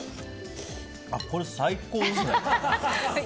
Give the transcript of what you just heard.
これ、最高ですね。